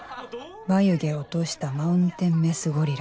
・眉毛落としたマウンテンメスゴリラ